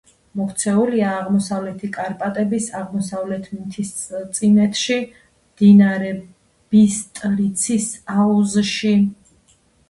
მოქცეულია აღმოსავლეთი კარპატების აღმოსავლეთ მთისწინეთში, მდინარე ბისტრიცის აუზში.